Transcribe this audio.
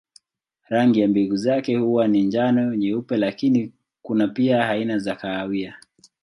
Rangi ya mbegu zake huwa ni njano, nyeupe lakini kuna pia aina za kahawia.